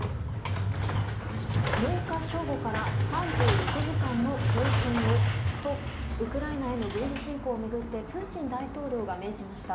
６日正午から３６時間の停戦をとウクライナへの軍事侵攻を巡ってプーチン大統領が命じました。